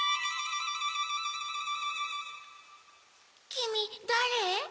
きみだれ？